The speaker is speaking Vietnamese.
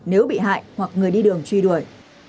nếu bị hại hoặc người đi đường truy đuổi